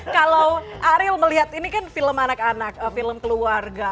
kalau ariel melihat ini kan film anak anak film keluarga